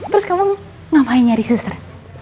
terus kamu ngapain nyari suster